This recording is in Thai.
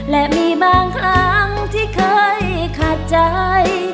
และมีบางครั้งที่เคยขาดใจ